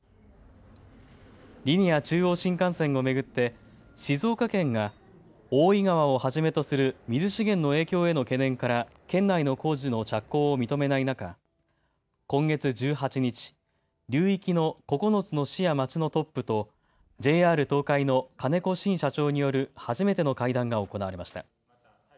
リニア中央新幹線を巡って静岡県が大井川をはじめとする水資源の影響への懸念から県内の工事の着工を認めない中、今月１８日、流域の９つの市や町のトップとＪＲ東海の金子慎社長による初めての会談が行われました。